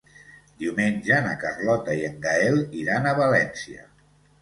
Diumenge na Carlota i en Gaël iran a València.